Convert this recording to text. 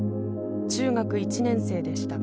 中学１年生でした。